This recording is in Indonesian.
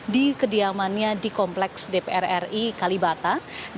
dikediamannya di kompleks dpr ri kalibata